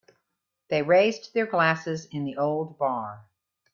They raised their glasses in the old bar.